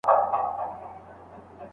د څېړونکي افکار نه سانسور کېږي.